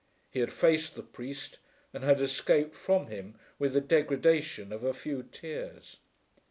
He had faced the priest and had escaped from him with the degradation of a few tears.